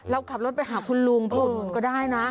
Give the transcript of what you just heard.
เราขับรถไปหาคุณลุงผู้อุดหนุนก็ได้นะ